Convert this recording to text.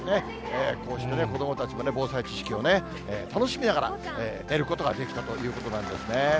こうして子どもたちも防災知識をね、楽しみながら得ることができたということなんですね。